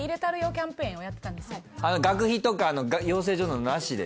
学費とか養成所のなしでってこと？